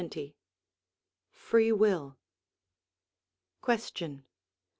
LXX FREE WILL Question.